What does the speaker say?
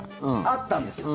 あったんですよ。